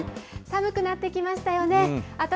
寒くなってきましたよね。